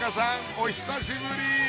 お久しぶり！